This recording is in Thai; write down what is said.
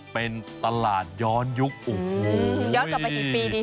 เป็นตลาดย้อนยุคโอ้โหย้อนกลับไปกี่ปีดี